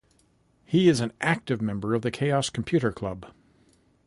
He is an active member of the Chaos Computer Club.